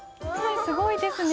すごいですね。